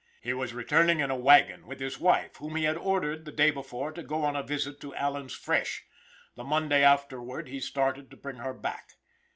He was returning in a wagon, with his wife, whom he had ordered, the day before, to go on a visit to Allen's Fresh, The Monday afterward he started to bring her back.